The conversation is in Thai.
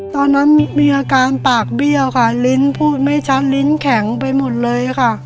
ตอนนั้นมีอาการปากเบี้ยวค่ะลิ้นพูดไม่ชัดลิ้นแข็งไปหมดเลยค่ะ